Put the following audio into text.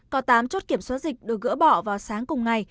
có tám chốt kiểm soát dịch được gỡ bỏ vào sáng cùng ngày